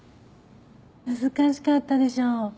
難しかったでしょ。